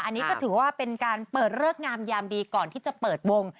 อันนี้ก็ถือว่าเป็นการเปิดเลิกงามยามดีก่อนที่จะเปิดวง